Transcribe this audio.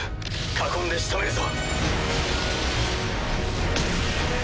囲んでしとめるぞ。